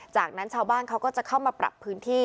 จากนั้นชาวบ้านเขาก็จะเข้ามาปรับพื้นที่